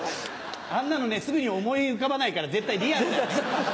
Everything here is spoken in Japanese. あんなのねすぐに思い浮かばないから絶対リアルだよね。